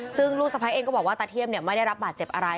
ซึ่งลูกสะพ้ายเองก็บอกว่าตาเทียมไม่ได้รับบาดเจ็บอะไร